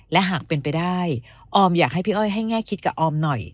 และหากเป็นไปได้ออมอยากให้พี่อ้อยให้แง่คิดกับออมหน่อย